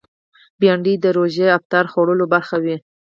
بېنډۍ د روژې افطار خوړلو برخه وي